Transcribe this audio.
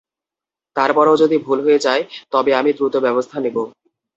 তার পরও যদি ভুল হয়ে যায়, তবে আমি দ্রুত ব্যবস্থা নেব।